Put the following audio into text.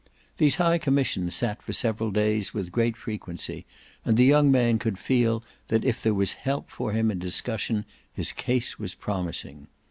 These high commissions sat for several days with great frequency, and the young man could feel that if there was help for him in discussion his case was promising.